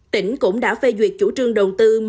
tỉnh cũng đã phê duyệt chủ trương đầu tư